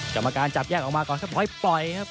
กรรมการจับแยกออกมาก่อนครับค่อยปล่อยครับ